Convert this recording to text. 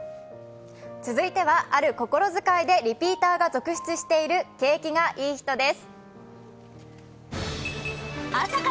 続いてはある心遣いでリピーターが続出している景気がいい人です。